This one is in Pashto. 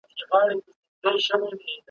ستا خو په خزان پسي بهار دی بیا به نه وینو`